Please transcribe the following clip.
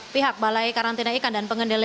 pihak balai karantina ikan dan pengendalian